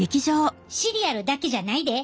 シリアルだけじゃないで。